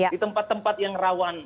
di tempat tempat yang rawan